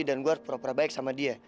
dan gue harus perap perap baik sama dia